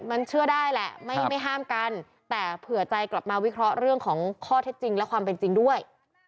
มันเชื่อได้แหละไม่ห้ามกันแต่เผื่อใจกลับมาวิเคราะห์เรื่องของข้อเท็จจริงและความเป็นจริงด้วย